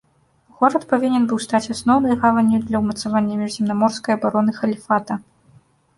Горад павінен быў стаць асноўнай гаванню для ўмацавання міжземнаморскай абароны халіфата.